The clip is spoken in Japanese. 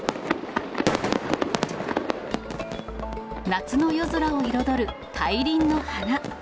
夏の夜空を彩る大輪の花。